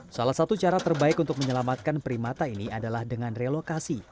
salah satu cara terbaik untuk menyelamatkan primata ini adalah dengan relokasi